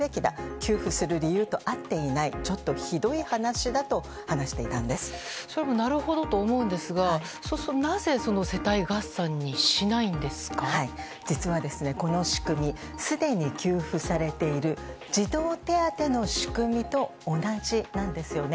給付する理由と合っていない、ちょっとひどい話だと話していたそれもなるほどと思うんですが、そうすると、実は、この仕組み、すでに給付されている児童手当の仕組みと同じなんですよね。